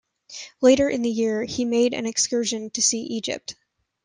Later in the year, he made an excursion to see Egypt.